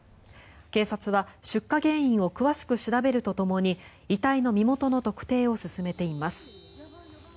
警察は出火原因を詳しく調べるとともに遺体の身元の特定を進めています。